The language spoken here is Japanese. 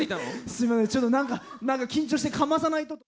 すみません、ちょっとなんか緊張して、かまさないとと。